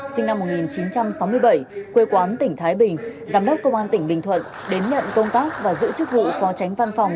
sinh năm một nghìn chín trăm sáu mươi bảy quê quán tỉnh thái bình giám đốc công an tỉnh bình thuận đến nhận công tác và giữ chức vụ phó tránh văn phòng